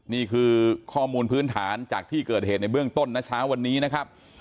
นี่คือข้อมูลพื้นฐานจากที่เกิดเหตุในเบื้องต้นนะเช้าวันนี้นะครับ